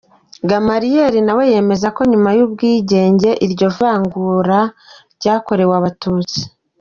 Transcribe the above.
Gamaliel nawe yemeza ko nyuma y’ubwigenge iryo vangura ryakorewe Abatutsi.